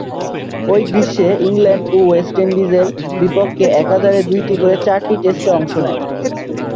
ঐ গ্রীষ্মে ইংল্যান্ড ও ওয়েস্ট ইন্ডিজের বিপক্ষে একাধারে দুইটি করে চারটি টেস্টে অংশ নেন।